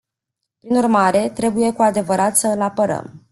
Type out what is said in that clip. Prin urmare, trebuie cu adevărat să îl apărăm.